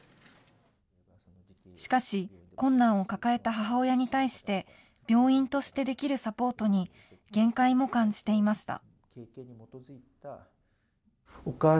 しかし、困難を抱えた母親に対して、病院としてできるサポートに限界も感じていました。